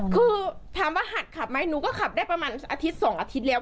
คือถามว่าหัดขับไหมหนูก็ขับได้ประมาณอาทิตย์๒อาทิตย์แล้ว